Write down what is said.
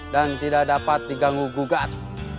tidak dapat diganggu gugat